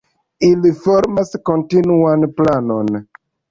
Ili formas kontinuan planon.